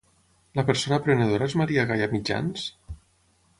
La persona prenedora és Maria Gaia Mitjans?